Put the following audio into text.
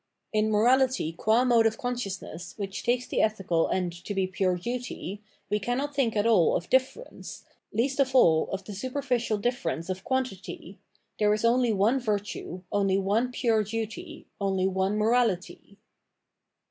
In morality gua mode of consciousness which takes the ethical end to be pure duty, we cannot think at all of difference, least of all of the superficial difference of quantity: there is only one virtue, only one pure duty, only one morality.